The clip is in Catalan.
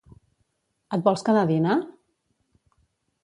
Et vols quedar a dinar?